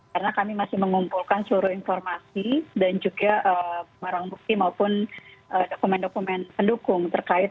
karena kami masih mengumpulkan seluruh informasi dan juga marang bukti maupun dokumen dokumen pendukung terkait